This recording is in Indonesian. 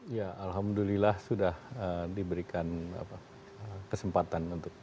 ya alhamdulillah sudah diberikan kesempatan untuk